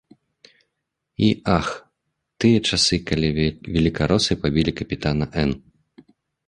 І ах, — тыя часы, калі велікаросы пабілі капітана N.